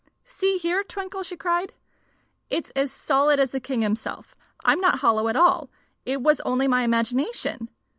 "See here, Twinkle," she cried; "it's as solid as the king himself! I'm not hollow at all. It was only my imagination."